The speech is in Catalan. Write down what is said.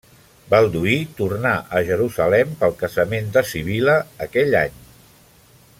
Balduí tornà a Jerusalem pel casament de Sibil·la, aquell any.